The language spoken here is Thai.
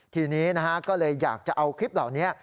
ทีนี้นะฮะก็เลยอยากจะเอาคลิปเหล่านี้